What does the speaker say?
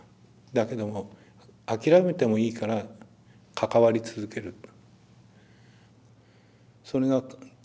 だけども諦めてもいいから関わり続けると。